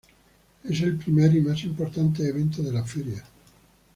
Es el primer y más importante evento de la Feria.